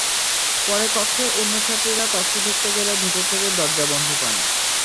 পরে কক্ষের অন্য ছাত্রীরা কক্ষে ঢুকতে গেলে ভেতর থেকে দরজা বন্ধ পান।